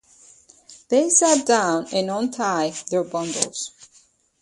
They sat down and untied their bundles.